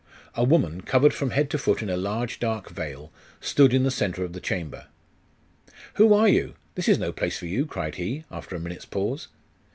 A woman, covered from head to foot in a large dark veil, stood in the centre of the chamber. 'Who are you? This is no place for you!' cried he, after a minute's pause.